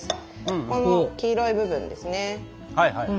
この黄色い部分ですね。